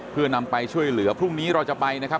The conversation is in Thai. เพื่อนำไปช่วยเหลือพรุ่งนี้เราจะไปนะครับ